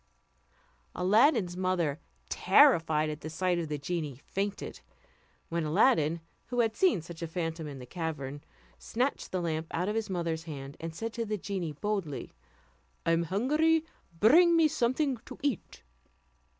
Aladdin's mother, terrified at the sight of the genie, fainted; when Aladdin, who had seen such a phantom in the cavern, snatched the lamp out of his mother's hand, and said to the genie boldly, "I am hungry, bring me something to eat."